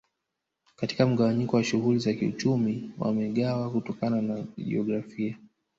Katika mgawanyiko wa shughuli za kiuchumi wamegawa kutokana na jiografia